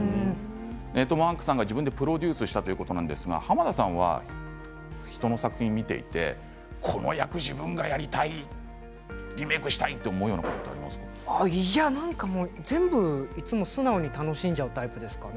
トム・ハンクスさんが自分でプロデュースしたということなんですが濱田さんは人の作品を見ていてこの役自分がやりたいいやなんかいつも全部素直に楽しんじゃうタイプですかね。